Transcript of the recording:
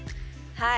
はい。